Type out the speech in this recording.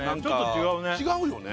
ちょっと違うね